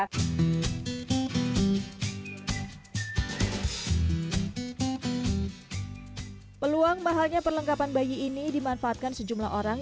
peluang mahalnya perlengkapan bayi ini dimanfaatkan sejumlah orang